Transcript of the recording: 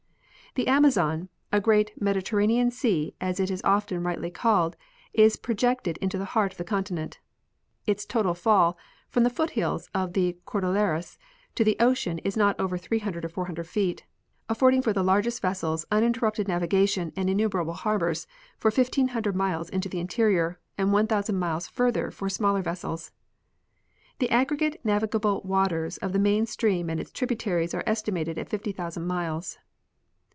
The Amazon, a great mediterranean sea as it is often rightly called, is projected into the heart of the continent. Its total fall from the foot hills of the Cordilleras to the ocean is not over 300 or 400 feet, affording for the largest vessels uninterrupted navi gation and innumerable harbors for 1,500 miles into the interior, and 1,000 miles further for smaller vessels. The aggregate navi gable waters of the main stream and its tributaries are estimated at 50,000 miles.